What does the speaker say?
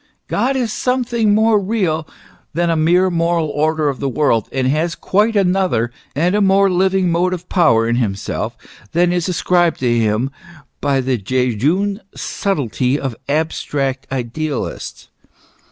God is some thing more real than a mere moral order of the world, and has quite another and a more living motive power in himself than is ascribed to him by the jejune subtilty of abstract idealists.